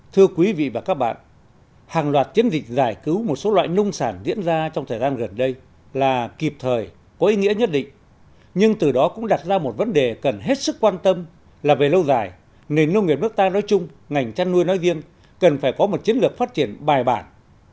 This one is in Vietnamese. thưa quý vị và các bạn hàng loạt chiến dịch giải cứu một số loại nông sản diễn ra trong thời gian gần đây là kịp thời có ý nghĩa nhất định nhưng từ đó cũng đặt ra một vấn đề cần hết sức quan tâm là về lâu dài nền nông nghiệp nước ta nói chung ngành chăn nuôi nói riêng cần phải có một chiến lược phát triển bài bản